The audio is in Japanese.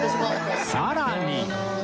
さらに